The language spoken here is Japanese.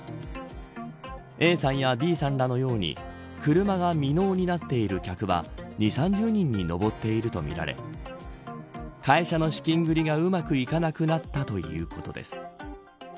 ＡさんやＢさんらのように車が未納になっている客は２０３０人に上っているとみられ会社の資金繰りがうまくいかなくなったということです。